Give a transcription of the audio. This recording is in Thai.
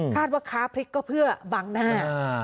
ว่าค้าพริกก็เพื่อบังหน้า